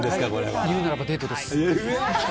言うならばデートです。